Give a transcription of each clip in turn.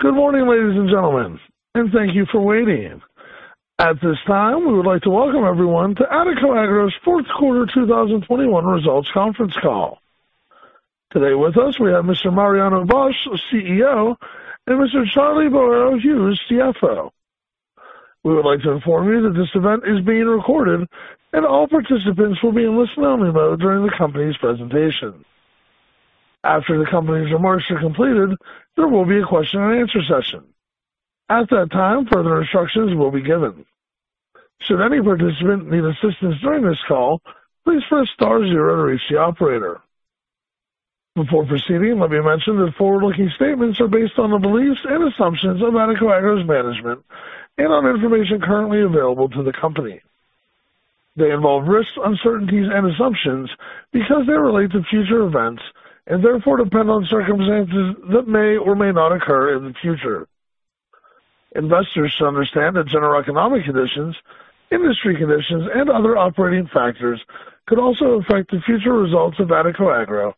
Good morning, ladies and gentlemen, and thank you for waiting. At this time, we would like to welcome everyone to Adecoagro's fourth quarter 2021 results conference call. Today with us we have Mr. Mariano Bosch, CEO, and Mr. Charlie Boero Hughes, CFO. We would like to inform you that this event is being recorded and all participants will be in listen-only mode during the company's presentation. After the company's remarks are completed, there will be a question and answer session. At that time, further instructions will be given. Should any participant need assistance during this call, please press star zero to reach the operator. Before proceeding, let me mention that forward-looking statements are based on the beliefs and assumptions of Adecoagro's management and on information currently available to the company. They involve risks, uncertainties and assumptions because they relate to future events and therefore depend on circumstances that may or may not occur in the future. Investors should understand that general economic conditions, industry conditions and other operating factors could also affect the future results of Adecoagro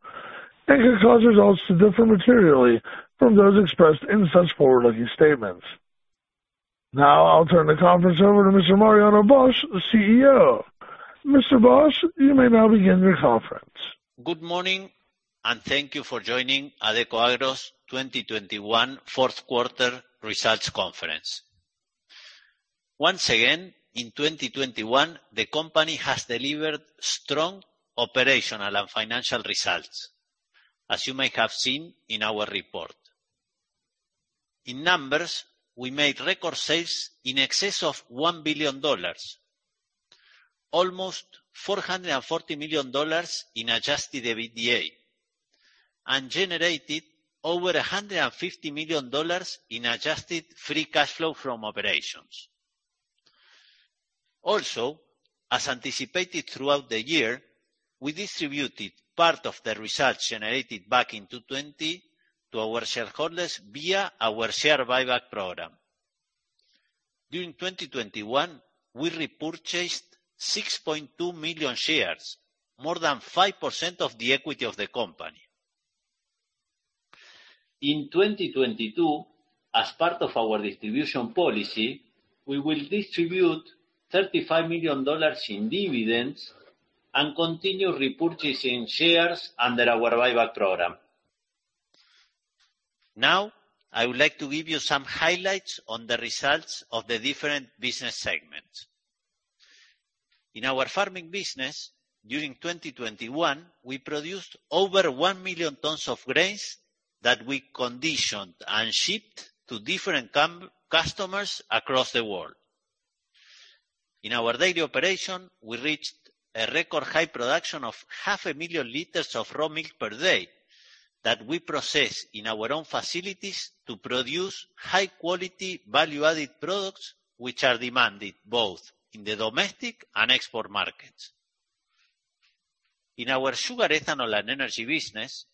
and could cause results to differ materially from those expressed in such forward-looking statements. Now, I'll turn the conference over to Mr. Mariano Bosch, the CEO. Mr. Bosch, you may now begin your conference. Good morning, and thank you for joining Adecoagro's 2021 fourth quarter results conference. Once again, in 2021, the company has delivered strong operational and financial results, as you may have seen in our report. In numbers, we made record sales in excess of $1 billion, almost $440 million in adjusted EBITDA, and generated over $150 million in adjusted free cash flow from operations. Also, as anticipated throughout the year, we distributed part of the results generated back in 2020 to our shareholders via our share buyback program. During 2021, we repurchased 6.2 million shares, more than 5% of the equity of the company. In 2022, as part of our distribution policy, we will distribute $35 million in dividends and continue repurchasing shares under our buyback program. Now, I would like to give you some highlights on the results of the different business segments. In our farming business, during 2021, we produced over 1 million tons of grains that we conditioned and shipped to different customers across the world. In our dairy operation, we reached a record high production of 500,000 liters of raw milk per day that we process in our own facilities to produce high quality, value-added products which are demanded both in the domestic and export markets. In our sugar, ethanol, and energy business,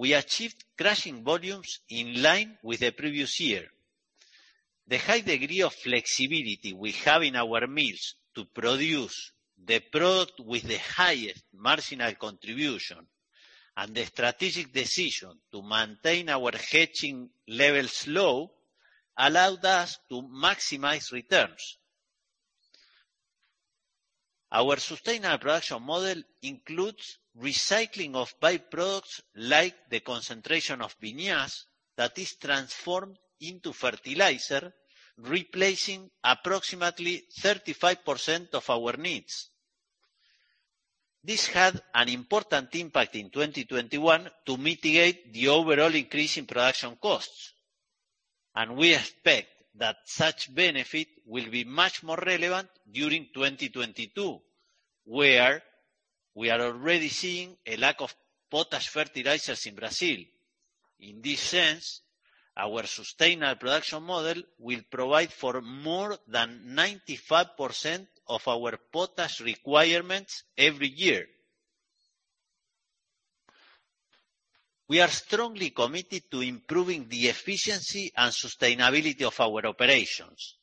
we achieved crushing volumes in line with the previous year. The high degree of flexibility we have in our mills to produce the product with the highest marginal contribution and the strategic decision to maintain our hedging levels low allowed us to maximize returns. Our sustainable production model includes recycling of by-products like the concentration of vinasse that is transformed into fertilizer, replacing approximately 35% of our needs. This had an important impact in 2021 to mitigate the overall increase in production costs. We expect that such benefit will be much more relevant during 2022, where we are already seeing a lack of potash fertilizers in Brazil. In this sense, our sustainable production model will provide for more than 95% of our potash requirements every year. We are strongly committed to improving the efficiency and sustainability of our operations.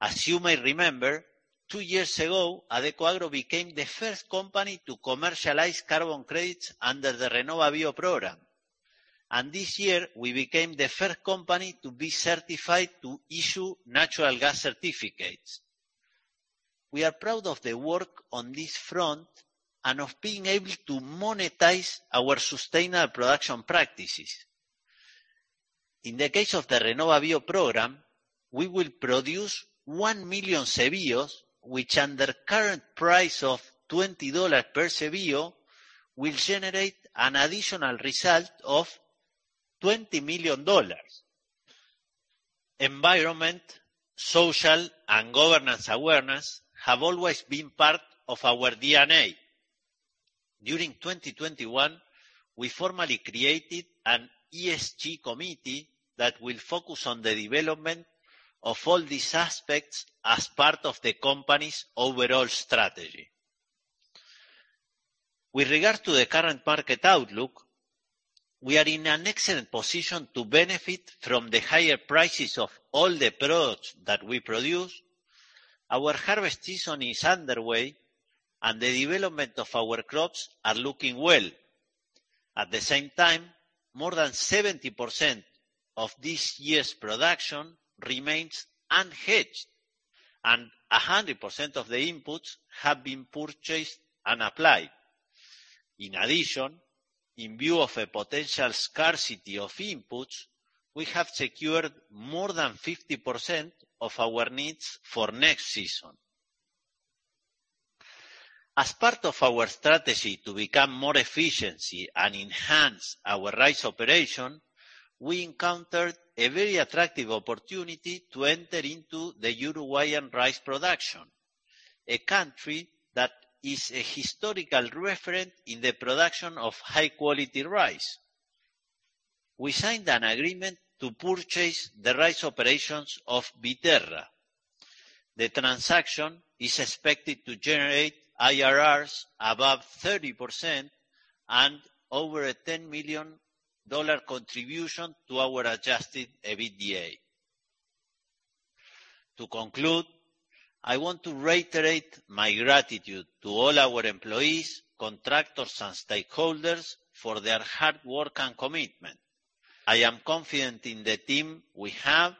As you may remember, two years ago, Adecoagro became the first company to commercialize carbon credits under the RenovaBio program. This year, we became the first company to be certified to issue natural gas certificates. We are proud of the work on this front and of being able to monetize our sustainable production practices. In the case of the RenovaBio program, we will produce 1 million CBios, which under current price of $20 per CBio, will generate an additional result of $20 million. Environment, social, and governance awareness have always been part of our DNA. During 2021, we formally created an ESG committee that will focus on the development of all these aspects as part of the company's overall strategy. With regard to the current market outlook, we are in an excellent position to benefit from the higher prices of all the products that we produce. Our harvest season is underway. The development of our crops are looking well. At the same time, more than 70% of this year's production remains unhedged, and 100% of the inputs have been purchased and applied. In addition, in view of a potential scarcity of inputs, we have secured more than 50% of our needs for next season. As part of our strategy to become more efficient and enhance our rice operation, we encountered a very attractive opportunity to enter into the Uruguayan rice production, a country that is a historical referent in the production of high-quality rice. We signed an agreement to purchase the rice operations of Viterra. The transaction is expected to generate IRRs above 30% and over $10 million contribution to our adjusted EBITDA. To conclude, I want to reiterate my gratitude to all our employees, contractors, and stakeholders for their hard work and commitment. I am confident in the team we have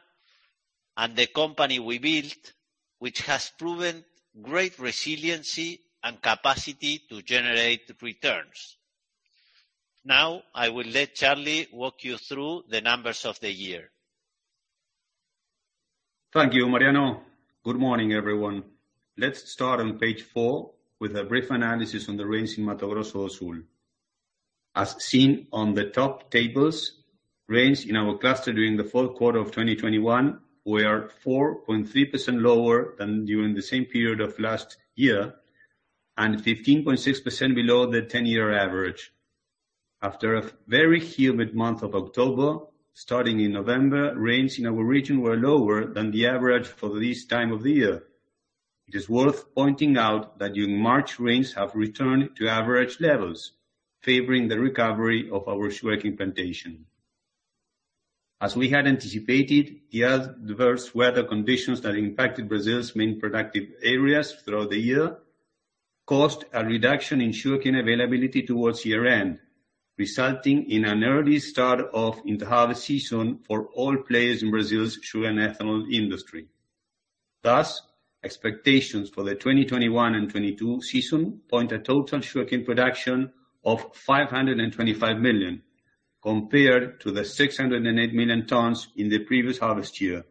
and the company we built, which has proven great resiliency and capacity to generate returns. Now I will let Charlie walk you through the numbers of the year. Thank you, Mariano. Good morning, everyone. Let's start on page four with a brief analysis on the rains in Mato Grosso do Sul. As seen on the top tables, rains in our cluster during the fourth quarter of 2021 were 4.3% lower than during the same period of last year and 15.6% below the 10-year average. After a very humid month of October, starting in November, rains in our region were lower than the average for this time of the year. It is worth pointing out that during March, rains have returned to average levels, favoring the recovery of our sugarcane plantation. As we had anticipated, the adverse weather conditions that impacted Brazil's main productive areas throughout the year caused a reduction in sugarcane availability towards year-end, resulting in an early start of inter-harvest season for all players in Brazil's sugar and ethanol industry. Expectations for the 2022/23 season point to a total sugarcane production of 525 million tons, compared to the 608 million tons in the previous harvest year.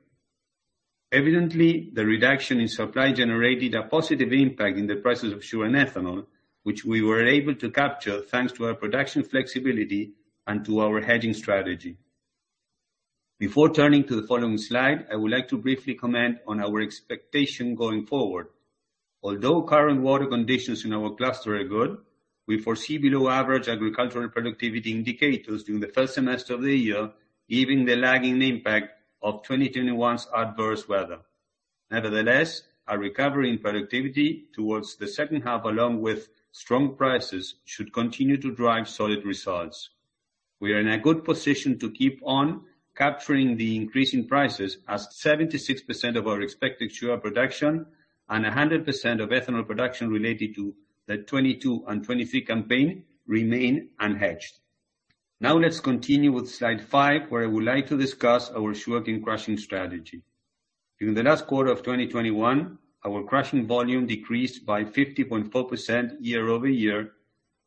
Evidently, the reduction in supply generated a positive impact in the prices of sugar and ethanol, which we were able to capture thanks to our production flexibility and to our hedging strategy. Before turning to the following slide, I would like to briefly comment on our expectation going forward. Although current water conditions in our cluster are good, we foresee below average agricultural productivity indicators during the first semester of the year, given the lagging impact of 2021's adverse weather. Nevertheless, our recovery in productivity towards the second half, along with strong prices, should continue to drive solid results. We are in a good position to keep on capturing the increase in prices as 76% of our expected sugar production and 100% of ethanol production related to the 2022 and 2023 campaign remain unhedged. Now let's continue with slide five, where I would like to discuss our sugarcane crushing strategy. During the last quarter of 2021, our crushing volume decreased by 50.4% year-over-year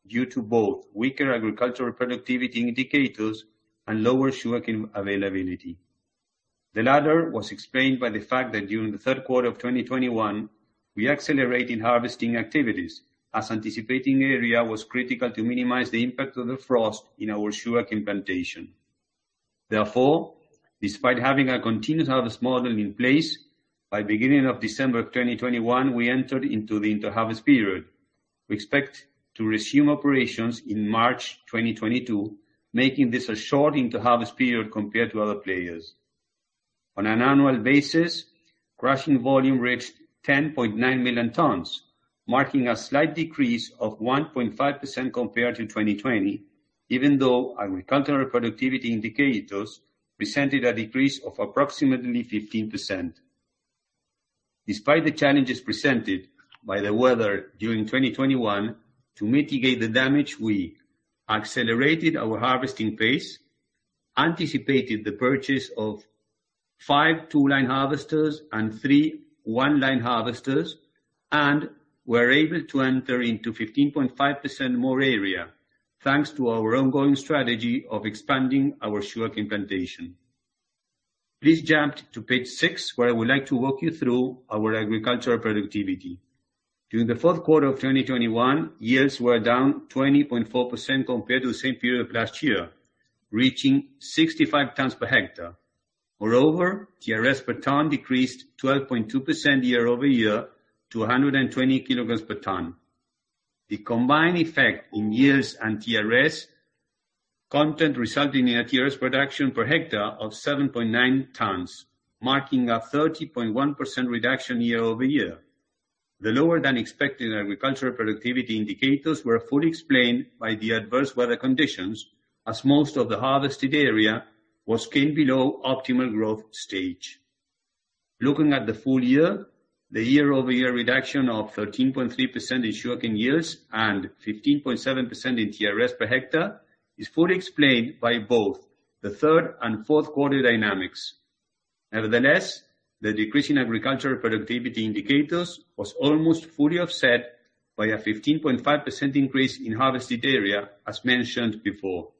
due to both weaker agricultural productivity indicators and lower sugarcane availability. The latter was explained by the fact that during the third quarter of 2021, we accelerated harvesting activities as anticipating area was critical to minimize the impact of the frost in our sugarcane plantation. Therefore, despite having a continuous harvest model in place, by beginning of December 2021, we entered into the inter-harvest period. We expect to resume operations in March 2022, making this a short inter-harvest period compared to other players. On an annual basis, crushing volume reached 10.9 million tons, marking a slight decrease of 1.5% compared to 2020, even though agricultural productivity indicators presented a decrease of approximately 15%. Despite the challenges presented by the weather during 2021, to mitigate the damage, we accelerated our harvesting pace, anticipated the purchase of five two-line harvesters and three one-line harvesters, and were able to enter into 15.5% more area, thanks to our ongoing strategy of expanding our sugarcane plantation. Please jump to page six, where I would like to walk you through our agricultural productivity. During the fourth quarter of 2021, yields were down 20.4% compared to the same period of last year, reaching 65 tons per hectare. Moreover, TRS per ton decreased 12.2% year-over-year to 120 kilograms per ton. The combined effect in yields and TRS content resulting in a TRS production per hectare of 7.9 tons, marking a 30.1% reduction year-over-year. The lower than expected agricultural productivity indicators were fully explained by the adverse weather conditions, as most of the harvested area was cane below optimal growth stage. Looking at the full year, the year-over-year reduction of 13.3% in sugarcane yields and 15.7% in TRS per hectare is fully explained by both the third and fourth quarter dynamics. Nevertheless, the decrease in agricultural productivity indicators was almost fully offset by a 15.5% increase in harvested area, as mentioned before.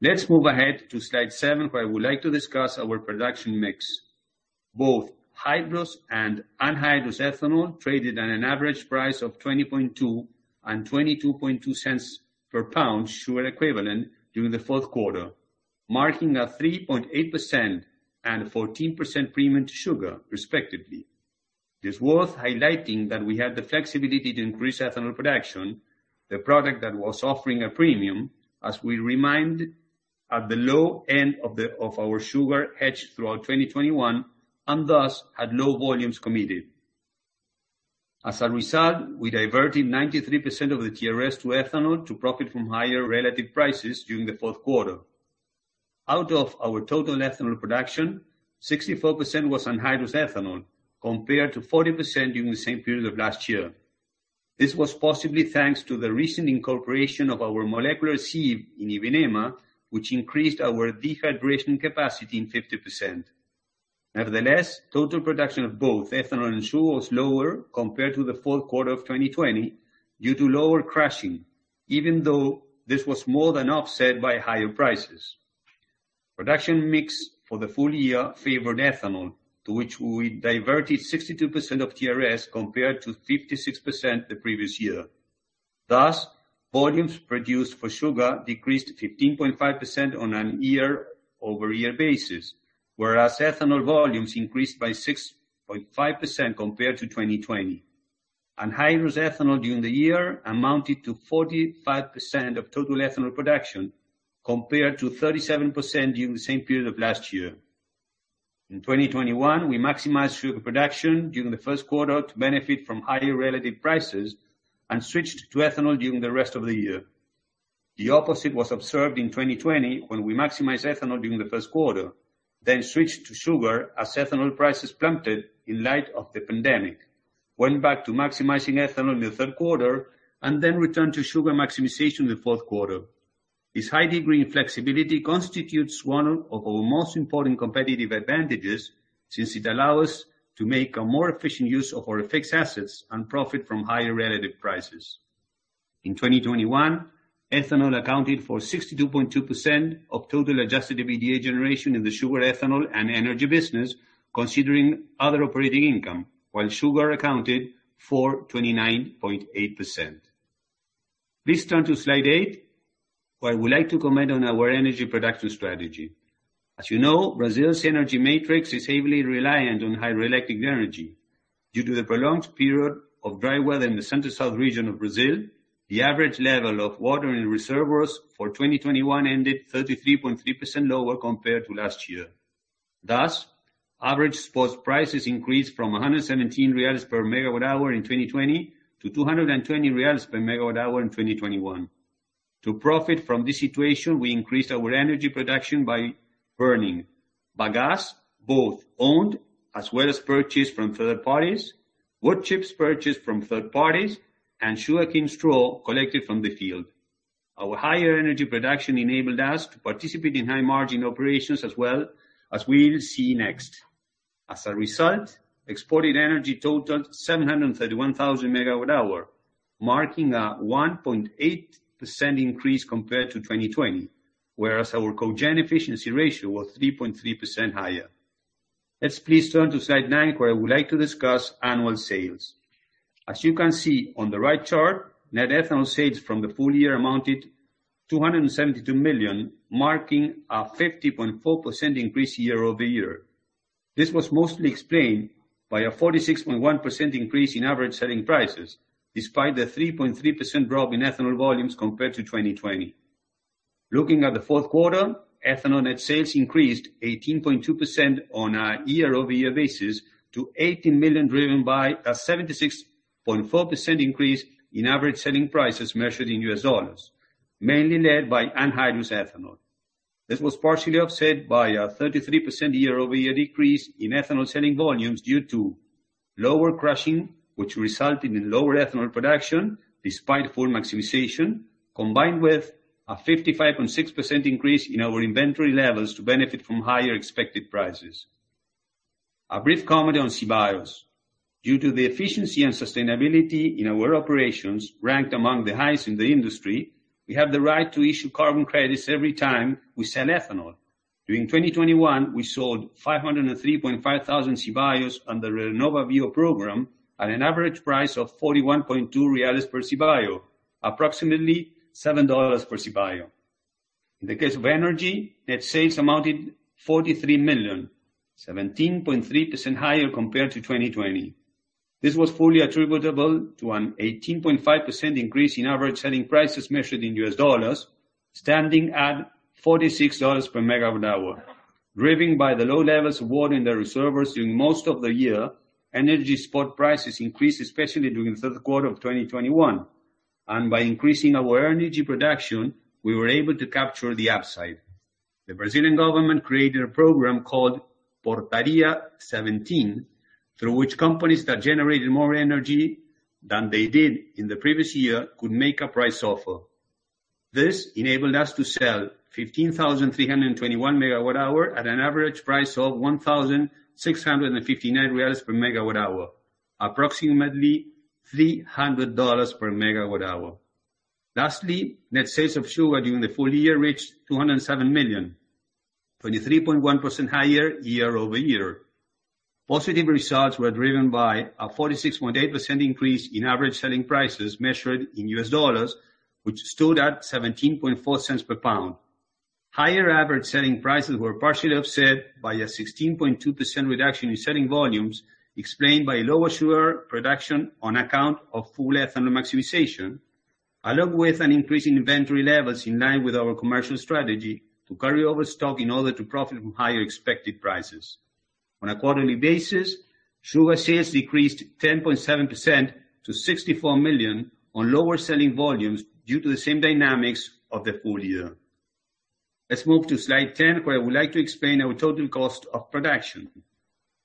Let's move ahead to slide seven, where I would like to discuss our production mix. Both hydrous and anhydrous ethanol traded at an average price of $0.202 and $0.222 per pound sugar equivalent during the fourth quarter, marking a 3.8% and 14% premium to sugar respectively. It is worth highlighting that we have the flexibility to increase ethanol production, the product that was offering a premium, as we remain at the low end of our sugar hedge throughout 2021, and thus had low volumes committed. As a result, we diverted 93% of the TRS to ethanol to profit from higher relative prices during the fourth quarter. Out of our total ethanol production, 64% was anhydrous ethanol, compared to 40% during the same period of last year. This was possibly thanks to the recent incorporation of our molecular sieve in Ivinhema, which increased our dehydration capacity by 50%. Nevertheless, total production of both ethanol and sugar was lower compared to the fourth quarter of 2020 due to lower crushing, even though this was more than offset by higher prices. Production mix for the full year favored ethanol, to which we diverted 62% of TRS compared to 56% the previous year. Thus, volumes produced for sugar decreased 15.5% on a year-over-year basis, whereas ethanol volumes increased by 6.5% compared to 2020. Anhydrous ethanol during the year amounted to 45% of total ethanol production, compared to 37% during the same period of last year. In 2021, we maximized sugar production during the first quarter to benefit from higher relative prices and switched to ethanol during the rest of the year. The opposite was observed in 2020 when we maximized ethanol during the first quarter, then switched to sugar as ethanol prices plummeted in light of the pandemic, went back to maximizing ethanol in the third quarter and then returned to sugar maximization in the fourth quarter. This high degree in flexibility constitutes one of our most important competitive advantages since it allow us to make a more efficient use of our fixed assets and profit from higher relative prices. In 2021, ethanol accounted for 62.2% of total adjusted EBITDA generation in the sugar, ethanol, and energy business, considering other operating income, while sugar accounted for 29.8%. Please turn to slide eight, where I would like to comment on our energy production strategy. As you know, Brazil's energy matrix is heavily reliant on hydroelectric energy. Due to the prolonged period of dry weather in the Center-South region of Brazil, the average level of water in reservoirs for 2021 ended 33.3% lower compared to last year. Thus, average spot prices increased from 117 reais per MWh in 2020 to 220 reais per MWh in 2021. To profit from this situation, we increased our energy production by burning bagasse, both owned as well as purchased from third parties, wood chips purchased from third parties, and sugarcane straw collected from the field. Our higher energy production enabled us to participate in high margin operations as well as we'll see next. As a result, exported energy totaled 731,000 MWh, marking a 1.8% increase compared to 2020, whereas our cogen efficiency ratio was 3.3% higher. Let's please turn to slide nine, where I would like to discuss annual sales. As you can see on the right chart, net ethanol sales from the full year amounted to $272 million, marking a 50.4% increase year-over-year. This was mostly explained by a 46.1% increase in average selling prices, despite a 3.3% drop in ethanol volumes compared to 2020. Looking at the fourth quarter, ethanol net sales increased 18.2% on a year-over-year basis to $80 million, driven by a 76.4% increase in average selling prices measured in U.S dollars, mainly led by anhydrous ethanol. This was partially offset by a 33% year-over-year decrease in ethanol selling volumes due to lower crushing, which resulted in lower ethanol production despite full maximization, combined with a 55.6% increase in our inventory levels to benefit from higher expected prices. A brief comment on CBios. Due to the efficiency and sustainability in our operations ranked among the highest in the industry, we have the right to issue carbon credits every time we sell ethanol. During 2021, we sold 503.5 thousand CBios under RenovaBio program at an average price of 41.2 per CBio, approximately $7 per CBio. In the case of energy, net sales amounted $43 million, 17.3% higher compared to 2020. This was fully attributable to an 18.5% increase in average selling prices measured in U.S. dollars, standing at $46 per MWh. Driven by the low levels of water in the reservoirs during most of the year, energy spot prices increased, especially during the third quarter of 2021. By increasing our energy production, we were able to capture the upside. The Brazilian government created a program called Portaria 17, through which companies that generated more energy than they did in the previous year could make a price offer. This enabled us to sell 15,321 MWh at an average price of 1,659 reais per MWh, approximately $300 per MWh. Lastly, net sales of sugar during the full year reached $207 million, 23.1% higher year-over-year. Positive results were driven by a 46.8% increase in average selling prices measured in U.S dollars, which stood at $0.174 per pound. Higher average selling prices were partially offset by a 16.2% reduction in selling volumes, explained by lower sugar production on account of full ethanol maximization, along with an increase in inventory levels in line with our commercial strategy to carry over stock in order to profit from higher expected prices. On a quarterly basis, sugar sales decreased 10.7% to $64 million on lower selling volumes due to the same dynamics of the full year. Let's move to slide 10, where I would like to explain our total cost of production.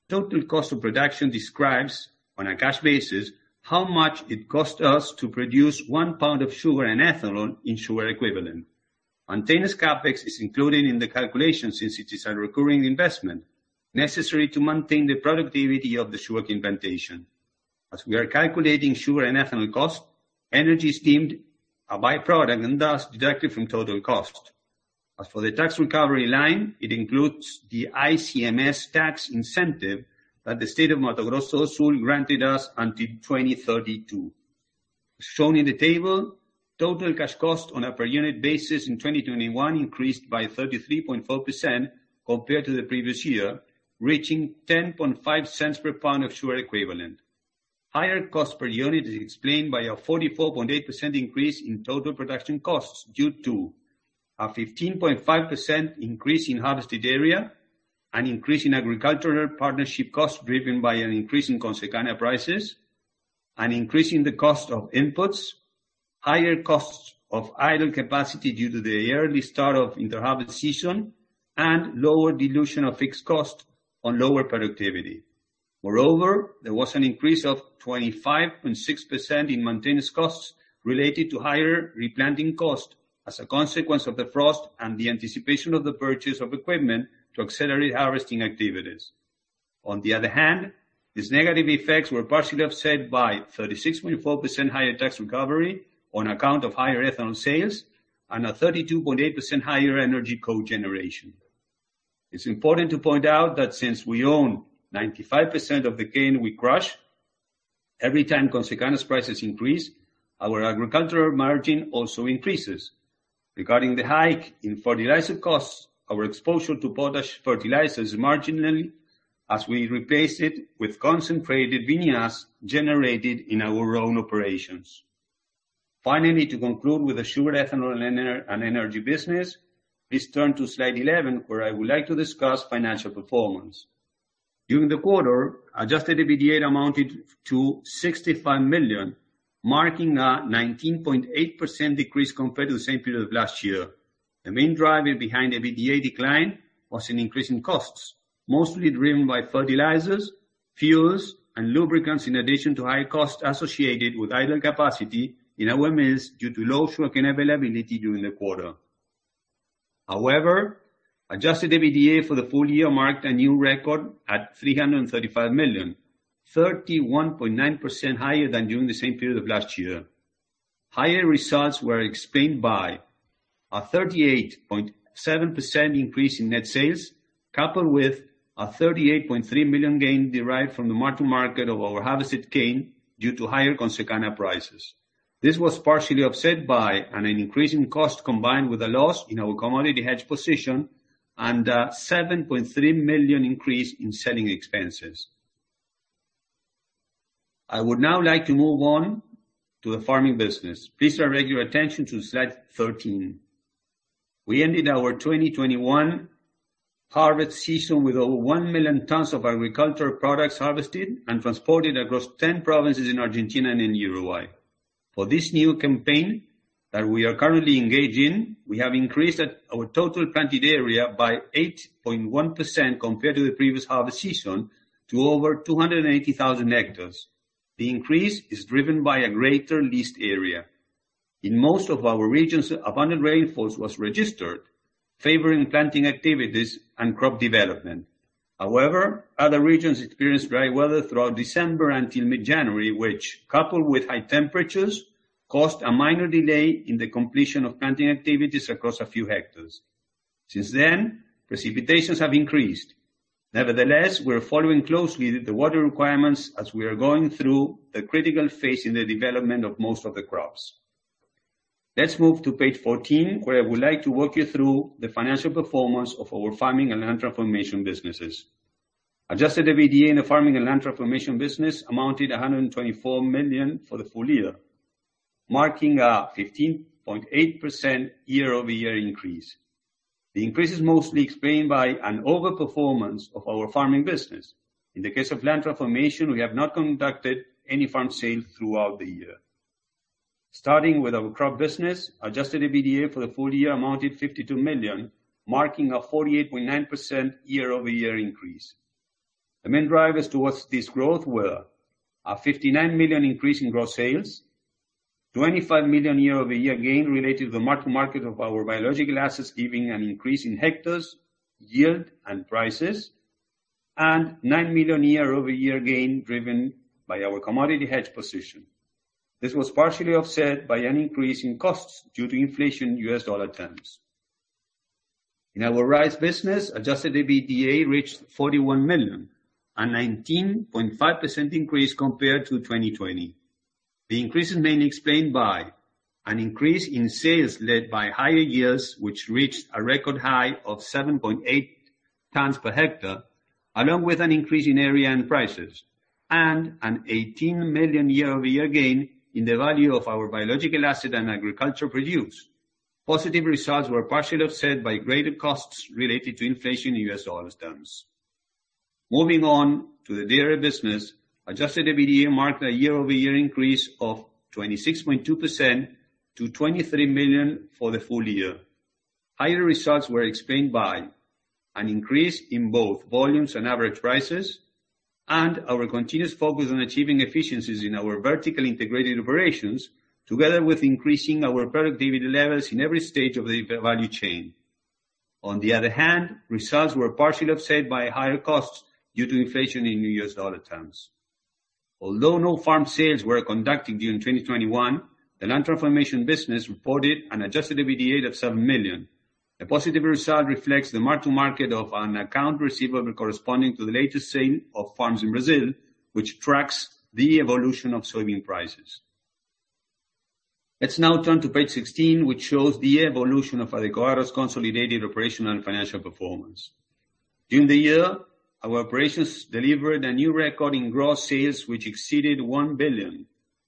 Total cost of production describes, on a cash basis, how much it costs us to produce one pound of sugar and ethanol in sugar equivalent. Maintenance CapEx is included in the calculation since it is a recurring investment necessary to maintain the productivity of the sugar plantation. As we are calculating sugar and ethanol cost, energy is deemed a by-product and thus deducted from total cost. As for the tax recovery line, it includes the ICMS tax incentive that the State of Mato Grosso do Sul granted us until 2032. As shown in the table, total cash cost on a per unit basis in 2021 increased by 33.4% compared to the previous year, reaching $0.105 per pound of sugar equivalent. Higher cost per unit is explained by a 44.8% increase in total production costs due to a 15.5% increase in harvested area, an increase in agricultural partnership costs driven by an increase in Consecana prices, an increase in the cost of inputs, higher costs of idle capacity due to the early start of inter-harvest season, and lower dilution of fixed cost on lower productivity. Moreover, there was an increase of 25.6% in maintenance costs related to higher replanting cost as a consequence of the frost and the anticipation of the purchase of equipment to accelerate harvesting activities. On the other hand, these negative effects were partially offset by 36.4% higher tax recovery on account of higher ethanol sales and a 32.8% higher energy cogeneration. It's important to point out that since we own 95% of the cane we crush, every time Consecana's prices increase, our agricultural margin also increases. Regarding the hike in fertilizer costs, our exposure to potash fertilizers is marginal as we replace it with concentrated vinasse generated in our own operations. Finally, to conclude with the sugar, ethanol, and energy business, please turn to slide 11, where I would like to discuss financial performance. During the quarter, adjusted EBITDA amounted to $65 million, marking a 19.8% decrease compared to the same period of last year. The main driver behind EBITDA decline was an increase in costs, mostly driven by fertilizers, fuels, and lubricants, in addition to high costs associated with idle capacity in our mills due to low sugarcane availability during the quarter. However, adjusted EBITDA for the full year marked a new record at $335 million, 31.9% higher than during the same period of last year. Higher results were explained by a 38.7% increase in net sales, coupled with a $38.3 million gain derived from the mark to market of our harvested cane due to higher Consecana prices. This was partially offset by an increase in cost combined with a loss in our commodity hedge position and a $7.3 million increase in selling expenses. I would now like to move on to the farming business. Please direct your attention to slide 13. We ended our 2021 harvest season with over 1 million tons of agricultural products harvested and transported across 10 provinces in Argentina and in Uruguay. For this new campaign that we are currently engaged in, we have increased our total planted area by 8.1% compared to the previous harvest season to over 280,000 hectares. The increase is driven by a greater leased area. In most of our regions, abundant rainfalls was registered, favoring planting activities and crop development. However, other regions experienced dry weather throughout December until mid-January, which coupled with high temperatures, caused a minor delay in the completion of planting activities across a few hectares. Since then, precipitations have increased. Nevertheless, we're following closely the water requirements as we are going through the critical phase in the development of most of the crops. Let's move to page 14, where I would like to walk you through the financial performance of our farming and land transformation businesses. Adjusted EBITDA in the farming and land transformation business amounted $124 million for the full year, marking a 15.8% year-over-year increase. The increase is mostly explained by an over-performance of our farming business. In the case of land transformation, we have not conducted any farm sale throughout the year. Starting with our crop business, adjusted EBITDA for the full year amounted $52 million, marking a 48.9% year-over-year increase. The main drivers towards this growth were a $59 million increase in gross sales, $25 million year-over-year gain related to the mark-to-market of our biological assets, giving an increase in hectares, yield, and prices, and $9 million year-over-year gain driven by our commodity hedge position. This was partially offset by an increase in costs due to inflation in U.S. dollar terms. In our rice business, adjusted EBITDA reached $41 million, a 19% increase compared to 2020. The increase is mainly explained by an increase in sales led by higher yields, which reached a record high of 7.8 tons per hectare, along with an increase in area and prices, and an $18 million year-over-year gain in the value of our biological asset and agricultural produce. Positive results were partially offset by greater costs related to inflation in U.S. dollar terms. Moving on to the dairy business, adjusted EBITDA marked a year-over-year increase of 26.2% to $23 million for the full year. Higher results were explained by an increase in both volumes and average prices, and our continuous focus on achieving efficiencies in our vertically integrated operations, together with increasing our productivity levels in every stage of the value chain. On the other hand, results were partially offset by higher costs due to inflation in US dollar terms. Although no farm sales were conducted during 2021, the land transformation business reported an adjusted EBITDA of $7 million. A positive result reflects the mark-to-market of an account receivable corresponding to the latest sale of farms in Brazil, which tracks the evolution of soybean prices. Let's now turn to page 16, which shows the evolution of Adecoagro's consolidated operational and financial performance. During the year, our operations delivered a new record in gross sales, which exceeded $1 billion,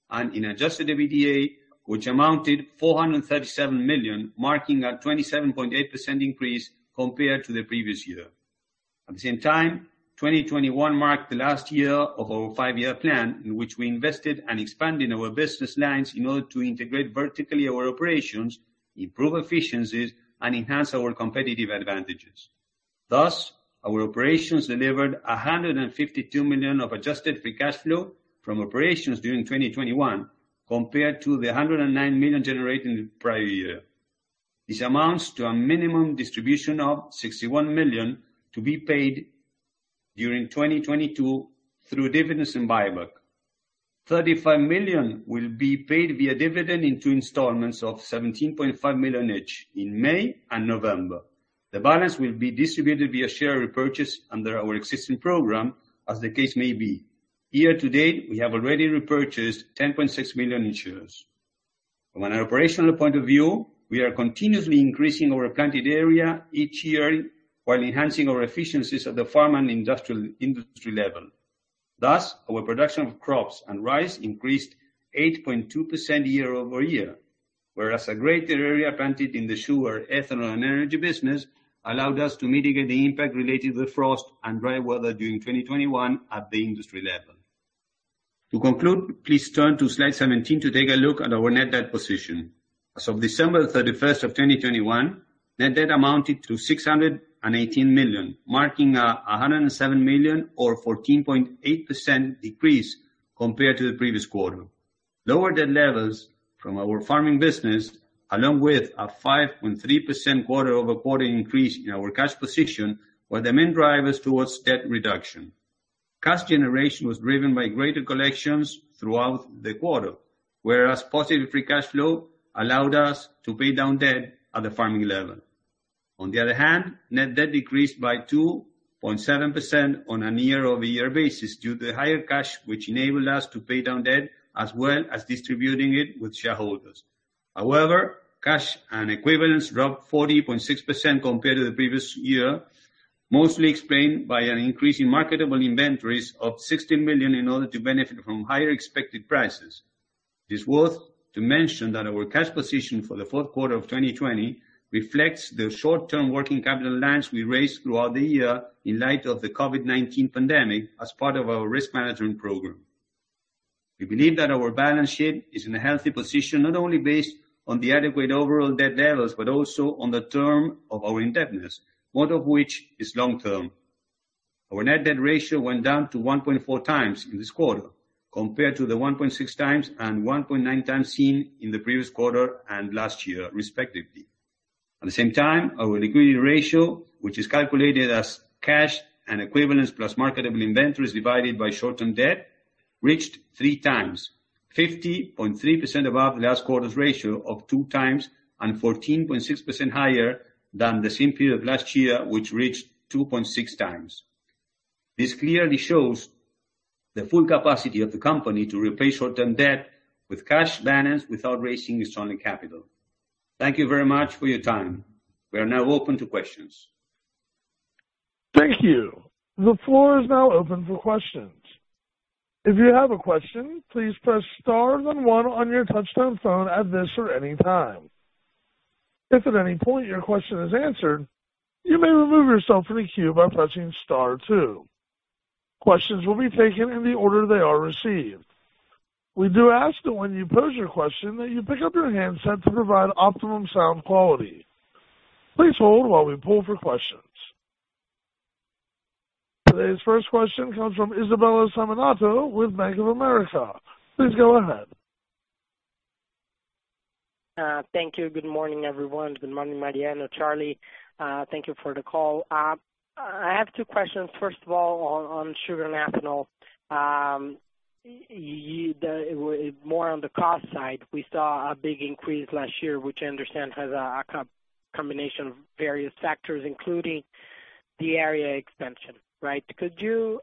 and an adjusted EBITDA, which amounted to $437 million, marking a 27.8% increase compared to the previous year. At the same time, 2021 marked the last year of our five-year plan in which we invested and expanded our business lines in order to integrate vertically our operations, improve efficiencies, and enhance our competitive advantages. Thus, our operations delivered $152 million of adjusted free cash flow from operations during 2021 compared to the $109 million generated in the prior year. This amounts to a minimum distribution of $61 million to be paid during 2022 through dividends and buyback. $35 million will be paid via dividend in two installments of $17.5 million each in May and November. The balance will be distributed via share repurchase under our existing program as the case may be. Year to date, we have already repurchased 10.6 million shares. From an operational point of view, we are continuously increasing our planted area each year while enhancing our efficiencies at the farm and industrial, industry level. Our production of crops and rice increased 8.2% year-over-year, whereas a greater area planted in the sugar, ethanol, and energy business allowed us to mitigate the impact related to the frost and dry weather during 2021 at the industry level. To conclude, please turn to slide 17 to take a look at our net debt position. As of December 31, 2021, net debt amounted to $618 million, marking a $107 million or 14.8% decrease compared to the previous quarter. Lower debt levels from our farming business, along with a 5.3% quarter-over-quarter increase in our cash position were the main drivers towards debt reduction. Cash generation was driven by greater collections throughout the quarter, whereas positive free cash flow allowed us to pay down debt at the farming level. On the other hand, net debt decreased by 2.7% on a year-over-year basis due to higher cash, which enabled us to pay down debt as well as distributing to shareholders. However, cash and equivalents dropped 40.6% compared to the previous year, mostly explained by an increase in marketable inventories of $60 million in order to benefit from higher expected prices. It is worth mentioning that our cash position for the fourth quarter of 2020 reflects the short-term working capital lines we raised throughout the year in light of the COVID-19 pandemic as part of our risk management program. We believe that our balance sheet is in a healthy position, not only based on the adequate overall debt levels, but also on the term of our indebtedness, most of which is long-term. Our net debt ratio went down to 1.4x in this quarter, compared to the 1.6x and 1.9x seen in the previous quarter and last year, respectively. At the same time, our liquidity ratio, which is calculated as cash and equivalents plus marketable inventories divided by short-term debt, reached 3x, 50.3% above last quarter's ratio of 2x and 14.6% higher than the same period last year, which reached 2.6x. This clearly shows the full capacity of the company to replace short-term debt with cash balance without raising external capital. Thank you very much for your time. We are now open to questions. Thank you. The floor is now open for questions. If you have a question, please press star then one on your touchtone phone at this or any time. If at any point your question is answered, you may remove yourself from the queue by pressing star two. Questions will be taken in the order they are received. We do ask that when you pose your question, that you pick up your handset to provide optimum sound quality. Please hold while we poll for questions. Today's first question comes from Isabella Simonato with Bank of America. Please go ahead. Thank you. Good morning, everyone. Good morning, Mariano, Charlie. Thank you for the call. I have two questions. First of all, on sugar and ethanol. More on the cost side, we saw a big increase last year, which I understand has a combination of various factors, including the area expansion, right? Could you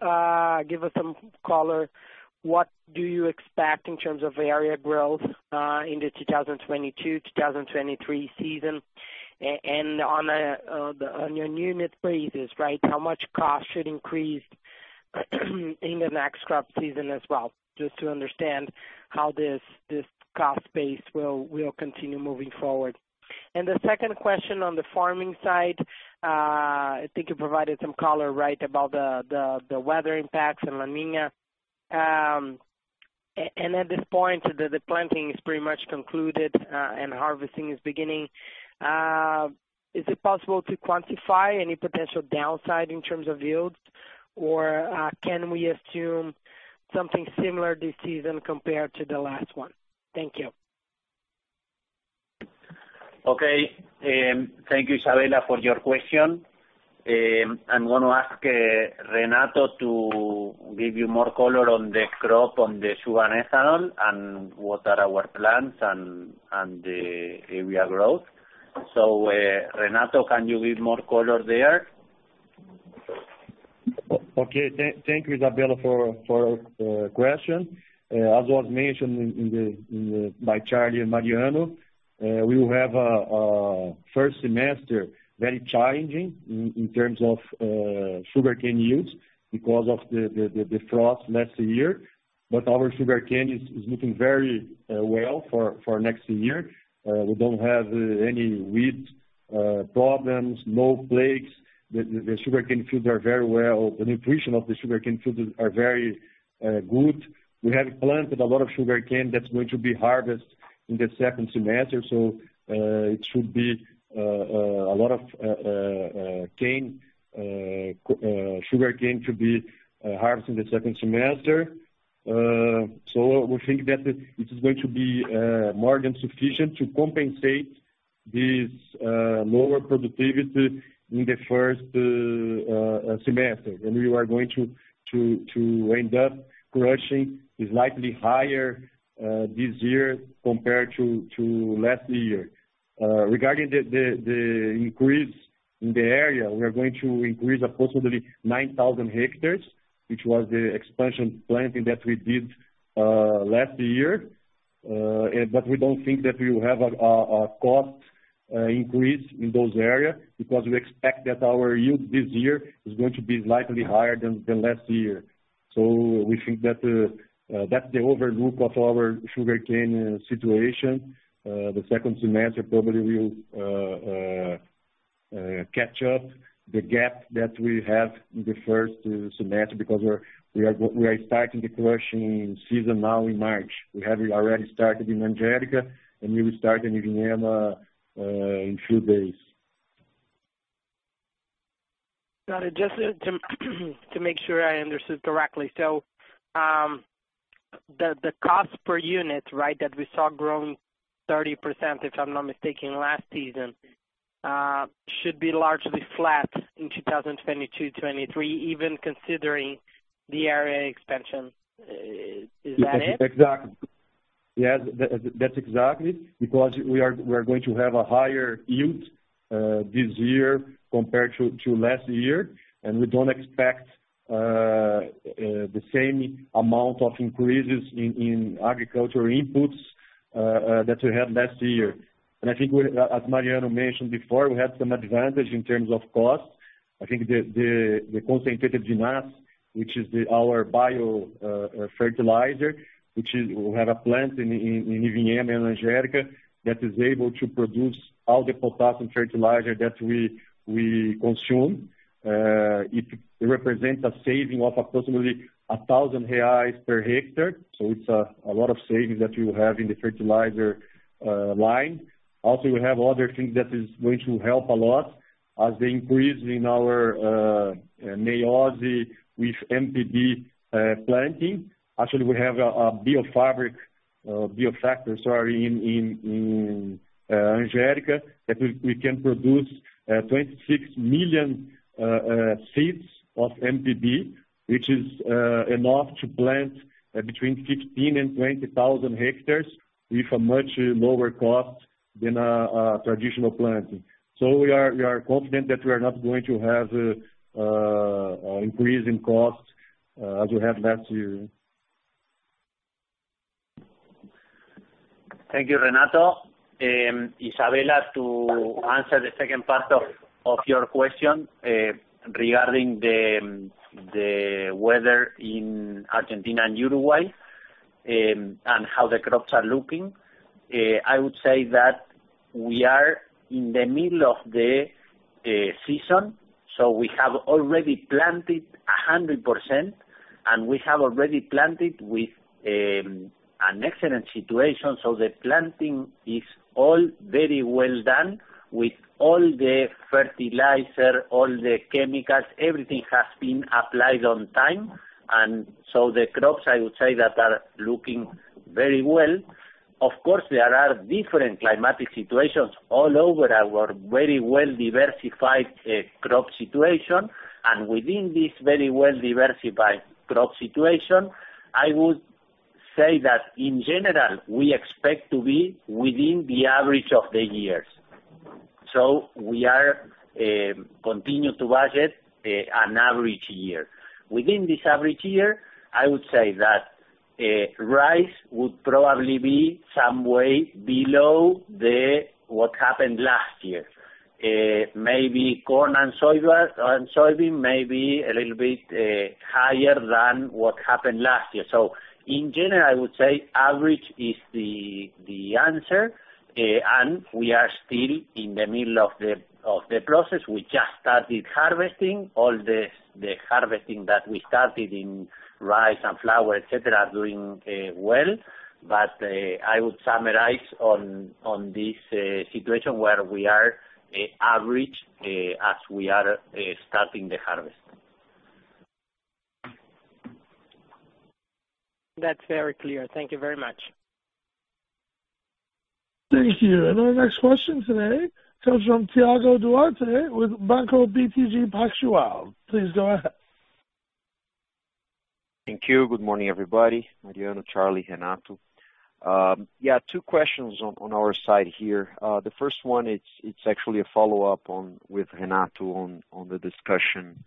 give us some color? What do you expect in terms of area growth in the 2022/2023 season? On your unit basis, right, how much cost should increase in the next crop season as well, just to understand how this cost base will continue moving forward. The second question on the farming side. I think you provided some color, right, about the weather impacts and La Niña. At this point, the planting is pretty much concluded, and harvesting is beginning. Is it possible to quantify any potential downside in terms of yields? Or, can we assume something similar this season compared to the last one? Thank you. Okay, thank you, Isabella, for your question. I'm gonna ask Renato to give you more color on the crop, on the sugar and ethanol and what are our plans and the area growth. Renato, can you give more color there? Okay. Thank you, Isabella, for question. As was mentioned by Charlie and Mariano, we will have a first semester very challenging in terms of sugarcane yields because of the frost last year. Our sugarcane is looking very well for next year. We don't have any weeds problems, no plagues. The sugarcane fields are very well. The nutrition of the sugarcane fields are very good. We have planted a lot of sugarcane that's going to be harvested in the second semester. It should be a lot of sugarcane to be harvested in the second semester. We think that it is going to be more than sufficient to compensate this lower productivity in the first semester. We are going to end up crushing is likely higher this year compared to last year. Regarding the increase in the area, we are going to increase approximately 9,000 hectares, which was the expansion planting that we did last year. We don't think that we will have a cost increase in those area because we expect that our yield this year is going to be slightly higher than last year. We think that that's the overview of our sugarcane situation. The second semester probably will catch up the gap that we have in the first semester because we are starting the crushing season now in March. We have already started in Angélica, and we will start in Ivinhema in few days. Got it. Just to make sure I understood correctly. The cost per unit, right, that we saw grown 30%, if I'm not mistaken, last season, should be largely flat in 2022/2023, even considering the area expansion. Is that it? Exactly. Yes, that's exactly because we are going to have a higher yield this year compared to last year. We don't expect the same amount of increases in agricultural inputs that we had last year. I think as Mariano mentioned before, we have some advantage in terms of cost. I think the concentrated vinasse, which is our biofertilizer. We have a plant in Ivinhema and Angélica that is able to produce all the potassium fertilizer that we consume. It represents a saving of approximately 1,000 reais per hectare. So it's a lot of savings that we will have in the fertilizer line. We have other things that is going to help a lot as the increase in our new seed with MPB planting. Actually, we have a biofactory in Angélica that we can produce 26 million seeds of MPB, which is enough to plant between 15,000 and 20,000 hectares with a much lower cost than a traditional planting. We are confident that we are not going to have a increase in cost as we had last year. Thank you, Renato. Isabella, to answer the second part of your question regarding the weather in Argentina and Uruguay and how the crops are looking, I would say that we are in the middle of the season, so we have already planted 100% with an excellent situation. The planting is all very well done with all the fertilizer, all the chemicals, everything has been applied on time. The crops are looking very well. Of course, there are different climatic situations all over our very well-diversified crop situation. Within this very well-diversified crop situation, I would say that in general, we expect to be within the average of the years. We are continuing to budget an average year. Within this average year, I would say that rice would probably be some way below what happened last year. Maybe corn and soybean may be a little bit higher than what happened last year. In general, I would say average is the answer. We are still in the middle of the process. We just started harvesting. All the harvesting that we started in rice and sunflower, et cetera, are doing well. I would summarize on this situation where we are average as we are starting the harvest. That's very clear. Thank you very much. Thank you. Our next question today comes from Thiago Duarte with Banco BTG Pactual. Please go ahead. Thank you. Good morning, everybody. Mariano, Charlie, Renato. Yeah, two questions on our side here. The first one, it's actually a follow-up with Renato on the discussion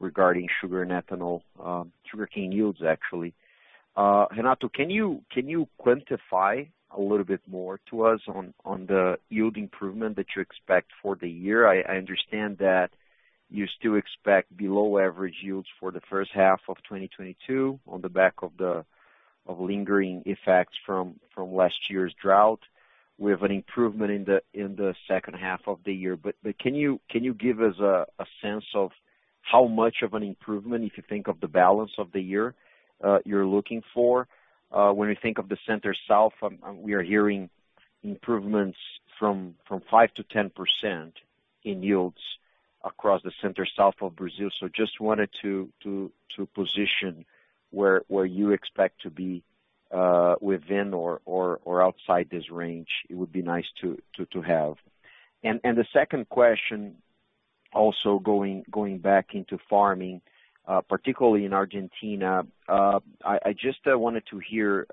regarding sugar and ethanol, sugarcane yields, actually. Renato, can you quantify a little bit more to us on the yield improvement that you expect for the year? I understand that you still expect below average yields for the first half of 2022 on the back of the lingering effects from last year's drought, with an improvement in the second half of the year. Can you give us a sense of how much of an improvement, if you think of the balance of the year, you're looking for? When we think of the Center-South, we are hearing improvements from 5%-10% in yields across the Center-South of Brazil. Just wanted to position where you expect to be within or outside this range. It would be nice to have. The second question also going back into farming, particularly in Argentina, I just wanted to hear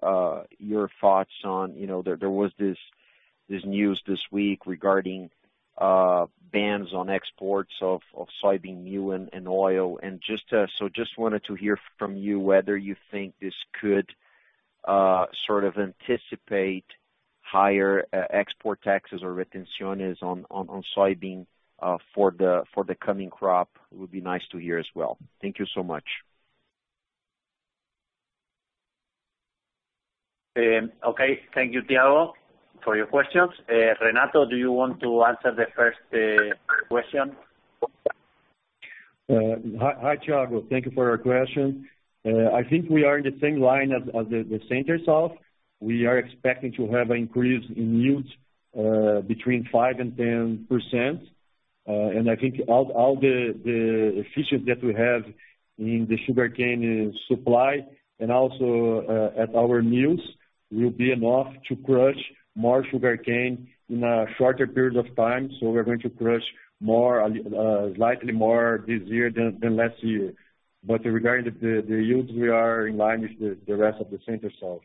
your thoughts on, you know. There was this news this week regarding bans on exports of soybean meal and oil. Just wanted to hear from you whether you think this could sort of anticipate higher export taxes or retenciones on soybean for the coming crop, would be nice to hear as well. Thank you so much. Okay. Thank you, Thiago, for your questions. Renato, do you want to answer the first question? Hi, Thiago. Thank you for your question. I think we are in the same line as the Center-South. We are expecting to have an increase in yields between 5% and 10%. I think all the efficiency that we have in the sugarcane supply and also at our mills will be enough to crush more sugarcane in a shorter period of time, so we're going to crush more slightly more this year than last year. Regarding the yields, we are in line with the rest of the Center-South.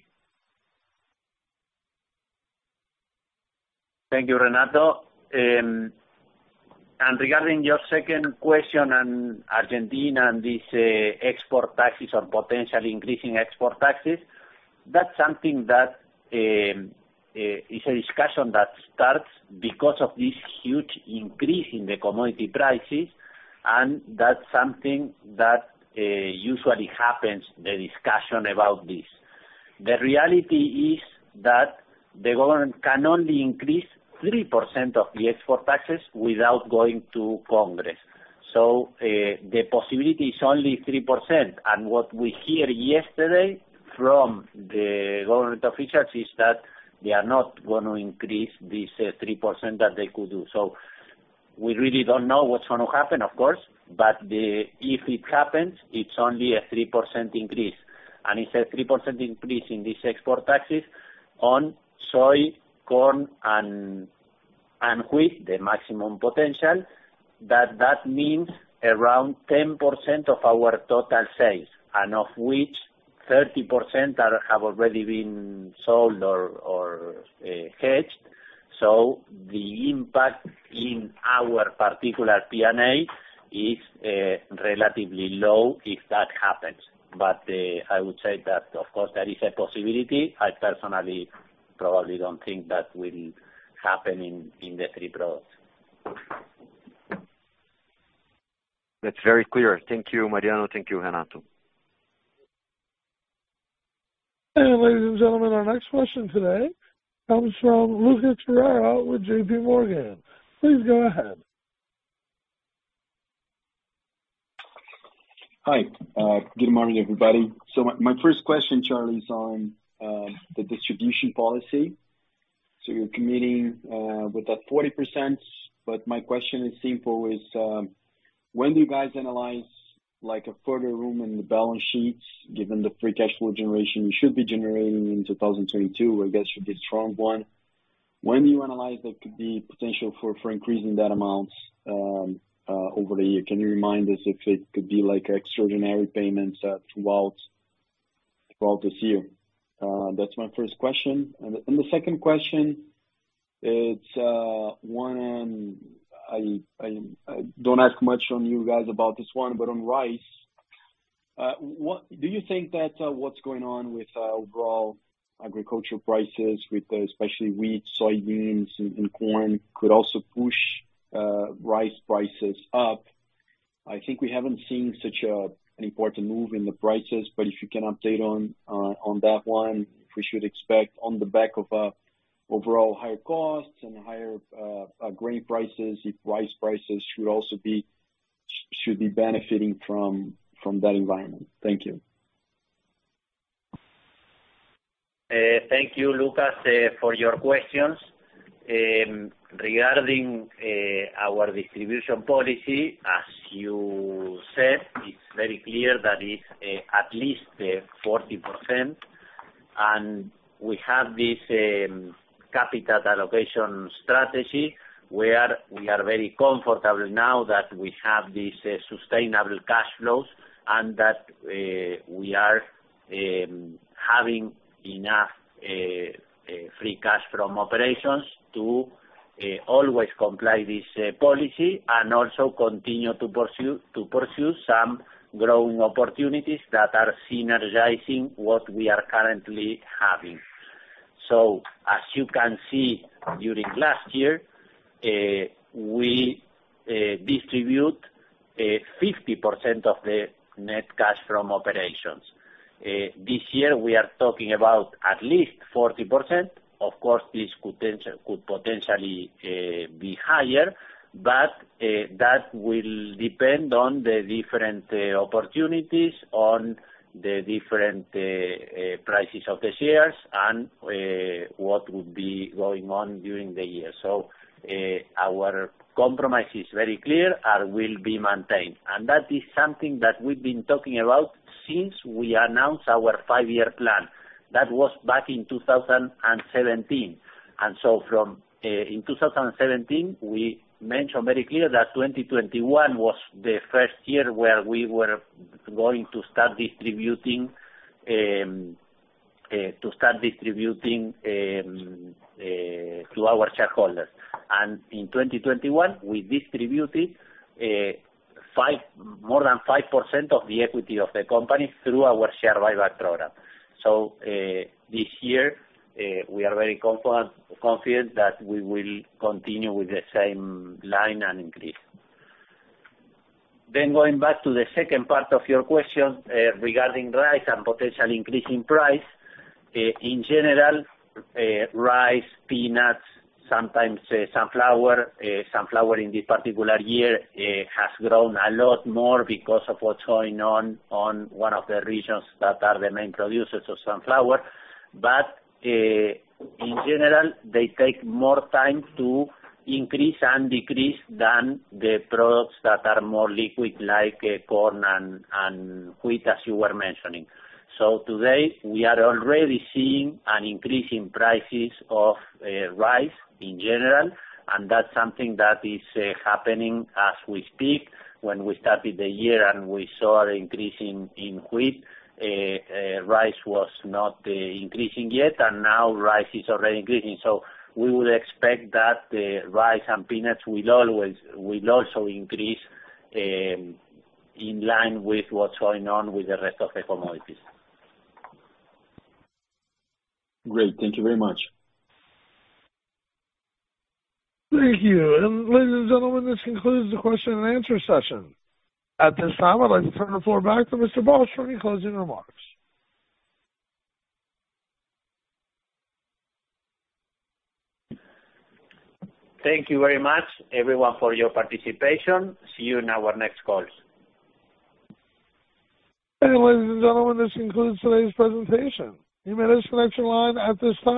Thank you, Renato. Regarding your second question on Argentina and this export taxes or potentially increasing export taxes, that's something that is a discussion that starts because of this huge increase in the commodity prices, and that's something that usually happens, the discussion about this. The reality is that the government can only increase 3% of the export taxes without going to Congress. The possibility is only 3%. What we hear yesterday from the government officials is that they are not gonna increase this 3% that they could do. We really don't know what's gonna happen, of course, but if it happens, it's only a 3% increase. It's a 3% increase in these export taxes on soy, corn and wheat, the maximum potential that means around 10% of our total sales, and of which 30% have already been sold or hedged. The impact in our particular P&L is relatively low if that happens. I would say that, of course, that is a possibility. I personally probably don't think that will happen in the three products. That's very clear. Thank you, Mariano. Thank you, Renato. Ladies and gentlemen, our next question today comes from Lucas Ferreira with JP Morgan. Please go ahead. Hi, good morning, everybody. My first question, Charlie, is on the distribution policy. You're committing with that 40%, but my question is simple, is when do you guys analyze, like, a further room in the balance sheets given the free cash flow generation you should be generating in 2022, where I guess should be a strong one. When do you analyze there could be potential for increasing that amount over the year? Can you remind us if it could be like extraordinary payments throughout this year? That's my first question. The second question, it's one, and I don't ask much on you guys about this one, but on rice, what... Do you think that, what's going on with overall agricultural prices with especially wheat, soybeans, and corn could also push rice prices up? I think we haven't seen such an important move in the prices, but if you can update on that one, if we should expect on the back of overall higher costs and higher grain prices, if rice prices should also be benefiting from that environment. Thank you. Thank you, Lucas, for your questions. Regarding our distribution policy, as you said, it's very clear that it's at least 40%. We have this capital allocation strategy where we are very comfortable now that we have these sustainable cash flows and that we are having enough free cash from operations to always comply this policy and also continue to pursue some growing opportunities that are synergizing what we are currently having. As you can see, during last year, we distribute 50% of the net cash from operations. This year, we are talking about at least 40%. Of course, this could potentially be higher, but that will depend on the different opportunities, on the different prices of the shares and what would be going on during the year. Our compromise is very clear and will be maintained. That is something that we've been talking about since we announced our five-year plan. That was back in 2017. From 2017, we mentioned very clear that 2021 was the first year where we were going to start distributing to our shareholders. In 2021, we distributed more than 5% of the equity of the company through our share buyback program. This year, we are very confident that we will continue with the same line and increase. Going back to the second part of your question, regarding rice and potential increase in price. In general, rice, peanuts, sometimes, sunflower. Sunflower in this particular year has grown a lot more because of what's going on on one of the regions that are the main producers of sunflower. But in general, they take more time to increase and decrease than the products that are more liquid like corn and wheat, as you were mentioning. Today, we are already seeing an increase in prices of rice in general, and that's something that is happening as we speak. When we started the year and we saw an increase in wheat, rice was not increasing yet, and now rice is already increasing. We would expect that the rice and peanuts will also increase in line with what's going on with the rest of the commodities. Great. Thank you very much. Thank you. Ladies and gentlemen, this concludes the question and answer session. At this time, I'd like to turn the floor back to Mr. Bosch for any closing remarks. Thank you very much everyone for your participation. See you in our next calls. Ladies and gentlemen, this concludes today's presentation. You may disconnect your line at this time.